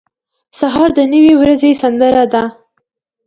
سهار د نوې ورځې سندره ده.